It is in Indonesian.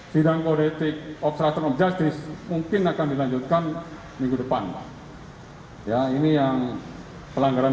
sidang politik obsreakton objektif mungkin akan dilanjutkan minggu depan ya ini yang pelanggaran